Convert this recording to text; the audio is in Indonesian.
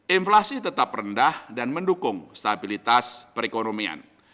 inflasi tetap rendah dan mendukung stabilitas perekonomian